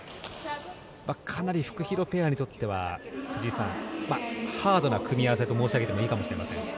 かなりフクヒロペアにとってはハードな組み合わせと申し上げてもいいかもしれません。